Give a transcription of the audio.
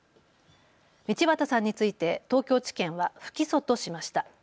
道端さんについて東京地検は不起訴としました。